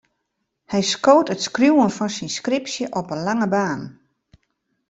Hy skoot it skriuwen fan syn skripsje op 'e lange baan.